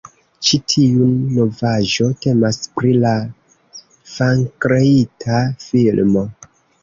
Ĉi tiu novaĵo temas pri la fankreita filmo